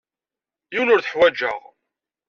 Yiwen ur t-ḥwajeɣ.